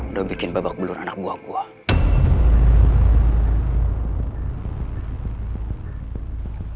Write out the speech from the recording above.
udah bikin babak belur anak buah buang